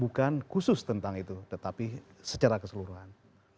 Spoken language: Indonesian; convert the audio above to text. bukan khusus tentang itu tetapi secara keseluruhan